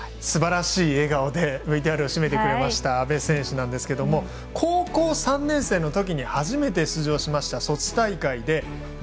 すばらしい笑顔でＶＴＲを締めてくれました阿部選手なんですけど高校３年生のときに初めて出場しましたソチ大会で１５ｋｍ